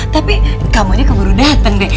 tapi kamu aja keburu dateng deh